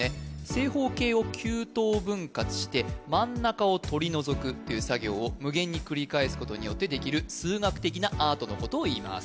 正方形を九等分割して真ん中を取り除くという作業を無限に繰り返すことによってできる数学的なアートのことをいいます